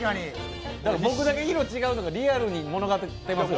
僕だけ色が違うのがリアルに物語ってますよ。